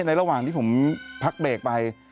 ระหว่างที่ผมพักเบรกไป